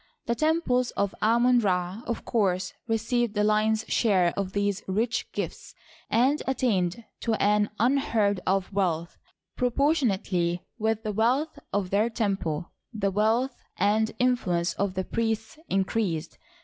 The temples of Amon Ra, of course, received the lion's share of these rich gifts, and attained to an unheard of wealth. Propor tionately with the wealth of their temple, the wealth and influence of the priests increased.